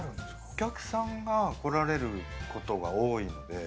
お客さんがこられることが多いんで。